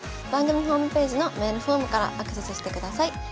番組ホームページのメールフォームからアクセスしてください。